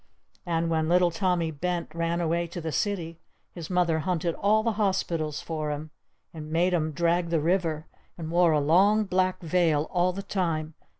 And when Little Tommy Bent ran away to the city his Mother hunted all the hospitals for him! And made 'em drag the river! And wore a long black veil all the time!